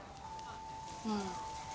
うん。